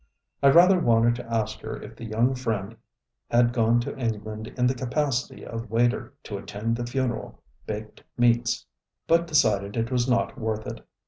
I rather wanted to ask her if the young friend had gone to England in the capacity of waiter to attend the funeral baked meats, but decided it was not worth it.